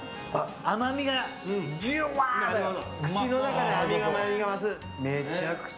甘みがじゅわっと口の中で甘みが増す。